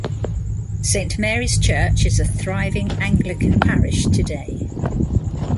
Saint Mary's church is a thriving Anglican parish today.